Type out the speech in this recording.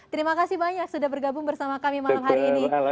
terima kasih banyak sudah bergabung bersama kami malam hari ini